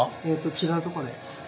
違うとこで。